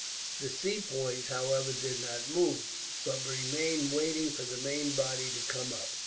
"The Sepoys, however, did not move, but remained waiting for the main body to come up.